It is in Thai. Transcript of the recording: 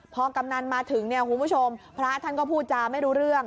พอกำนันมาถึงเนี่ยคุณผู้ชมพระท่านก็พูดจาไม่รู้เรื่อง